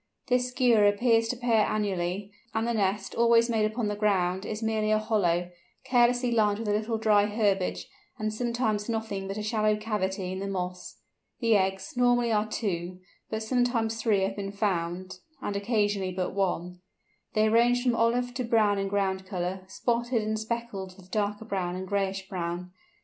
This Skua appears to pair annually, and the nest, always made upon the ground, is merely a hollow, carelessly lined with a little dry herbage, and sometimes nothing but a shallow cavity in the moss. The eggs, normally, are two, but sometimes three have been found, and occasionally but one. They range from olive to brown in ground colour, spotted and speckled with darker brown and grayish brown.